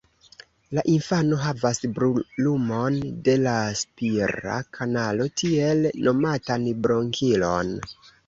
La infano havas brulumon de la spira kanalo, tiel nomatan bronkiton.